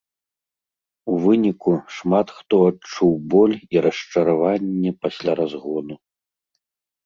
У выніку, шмат хто адчуў боль і расчараванне пасля разгону.